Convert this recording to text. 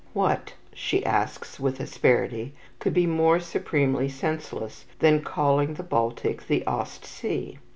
"What," she asks with asperity, "could be more supremely senseless than calling the Baltic the Ostsee?"